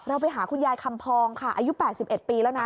ไปหาคุณยายคำพองค่ะอายุ๘๑ปีแล้วนะ